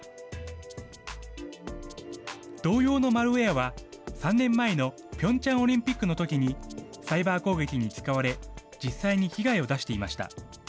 同様のマルウエアは、３年前のピョンチャンオリンピックのときに、サイバー攻撃に使われ、実際に被害を出していました。